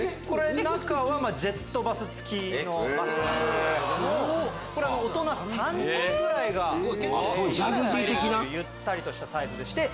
中はジェットバス付きなんですけども大人３人ぐらいが入れるゆったりとしたサイズでして。